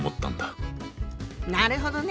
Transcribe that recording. なるほどね。